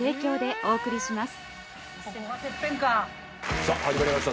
さぁ始まりました